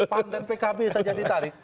pan dan pkb saja ditarik